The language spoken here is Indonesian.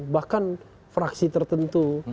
bahkan fraksi tertentu